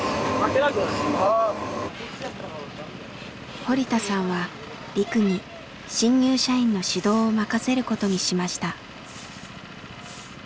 堀田さんはリクに新入社員の指導を任せることにしました。